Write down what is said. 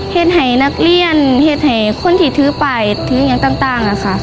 เห็นให้นักเรียนเห็นให้คนที่ถือไปถืออย่างต่างค่ะ